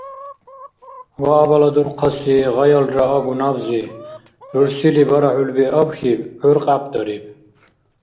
– Ва абала дурхъаси, гъайалра агу набзи, – рурсили бара хӀулби абхьиб, гӀур кьяпӀдариб.